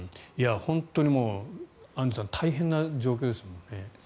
本当にアンジュさん大変な状況です。